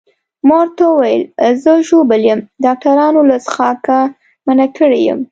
ما ورته وویل زه ژوبل یم، ډاکټرانو له څښاکه منع کړی یم.